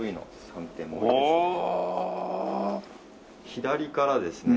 左からですね